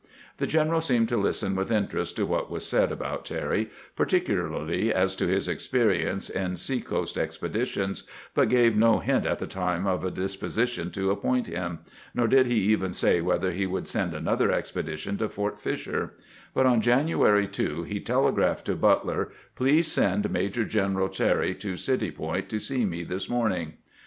The general seemed to listen with interest to what was said about Terry, particularly as to his experience in sea coast expeditions, but gave no hint at the time of a dis position to appoint him; nor did he even say whether he would send another expedition to Fort Fisher: but on January 2 he telegraphed to Butler, "Please send Major general Terry to City Point to see me this morn ing."